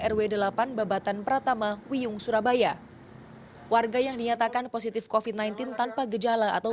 rw delapan babatan pratama wiyung surabaya warga yang dinyatakan positif kofit sembilan belas tanpa gejala atau